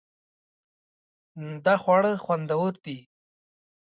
دا خواړه خوندور دي